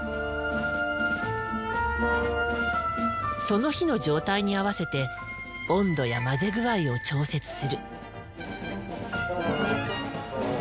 その日の状態に合わせて温度や混ぜ具合を調節する。